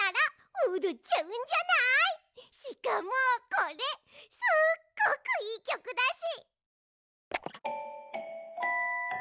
しかもこれすっごくいいきょくだし！